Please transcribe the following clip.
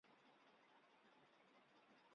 经常与友好学校互换交换生。